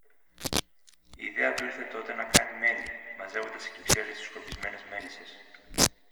Η ιδέα του ήλθε τότε να κάνει μέλι, μαζεύοντας σε κυψέλες τις σκορπισμένες μέλισσες.